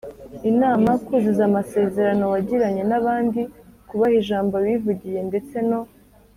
inama, kuzuza amasezerano wagiranye n’abandi, kubaha ijambo wivugiye ndetse no